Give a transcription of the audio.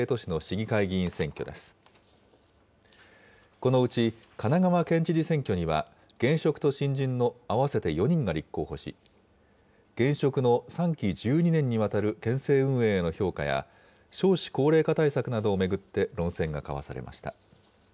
このうち、神奈川県知事選挙には、現職と新人の合わせて４人が立候補し、現職の３期１２年にわたる県政運営への評価や、少子高齢化対策などを巡って論戦が交わされました。